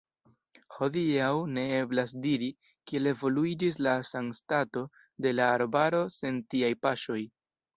Hodiaŭ ne eblas diri, kiel evoluiĝis la sanstato de la arbaro sen tiaj paŝoj.